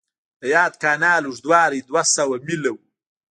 د یاد کانال اوږدوالی دوه سوه میله و.